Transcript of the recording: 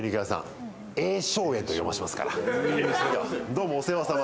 どうもお世話さま。